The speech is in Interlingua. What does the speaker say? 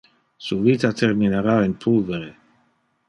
Su vita terminara in pulvere.